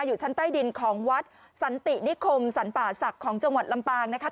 อยู่ชั้นใต้ดินของวัดสันตินิคมสรรป่าศักดิ์ของจังหวัดลำปางนะคะ